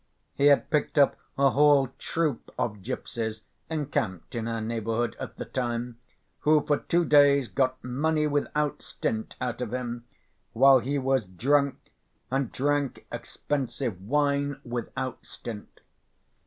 He had picked up a whole troop of gypsies (encamped in our neighborhood at the time), who for two days got money without stint out of him while he was drunk, and drank expensive wine without stint.